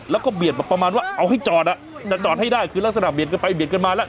แล้วก็เบียดแบบประมาณว่าเอาให้จอดจะจอดให้ได้คือลักษณะเบียดกันไปเบียดกันมาแล้ว